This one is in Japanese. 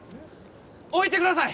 置いてください